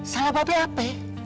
salah babe apa